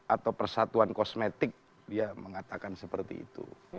atau persatuan kosmetik dia mengatakan seperti itu